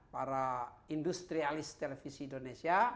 para industrialis televisi indonesia